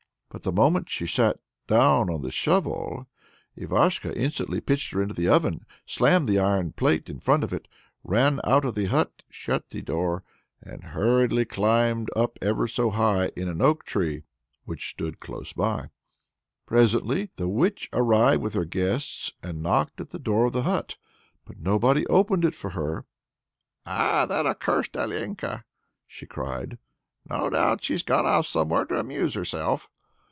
But the moment she sat down on the shovel, Ivashko instantly pitched her into the oven, slammed to the iron plate in front of it, ran out of the hut, shut the door, and hurriedly climbed up ever so high an oak tree [which stood close by]. Presently the witch arrived with her guests and knocked at the door of the hut. But nobody opened it for her. "Ah! that cursed Alenka!" she cried. "No doubt she's gone off somewhere to amuse herself."